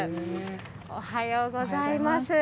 おはようございます。